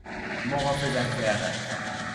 محافظت کردن